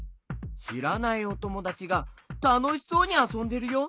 しらないおともだちがたのしそうにあそんでるよ。